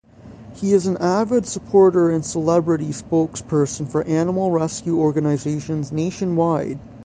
He is an avid supporter and celebrity spokesperson for animal rescue organizations nationwide.